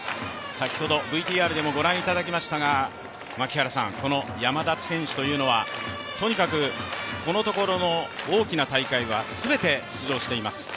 先ほどＶＴＲでもご覧いただきましたが、この山田選手というのはとにかくこのところの大きな大会はすべて出場しています。